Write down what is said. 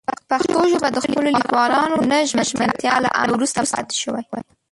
پښتو ژبه د خپلو لیکوالانو د نه ژمنتیا له امله وروسته پاتې شوې.